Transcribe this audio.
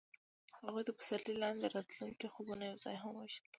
هغوی د پسرلی لاندې د راتلونکي خوبونه یوځای هم وویشل.